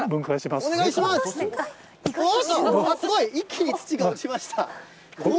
すごい、一気に土が落ちました。